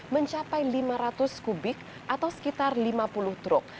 mencapai lima ratus kubik atau sekitar lima puluh truk